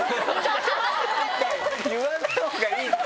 言わないほうがいいって！